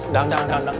jangan jangan jangan